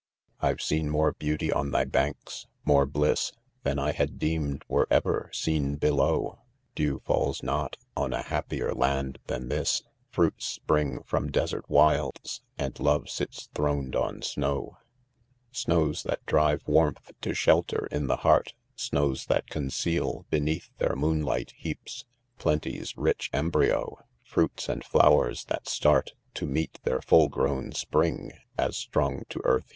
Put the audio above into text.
'■ Pve seen more beauty on thy banks™ more bliss— Than I had deemed were ever seen below;— Dew falls not on a happier land than this :— Fruits spring from desert wilds, and love sits throned ou [snoWc Snows that drive warmth to shelter In the heart ;— Snows that conceal, beneath their, moonlight heaps, / Plenty^s rich embryo; — fruits jf flowers thafe start i£&Mn To meet their full grown Snd%^as strong to earth